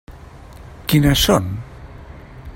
Quines són?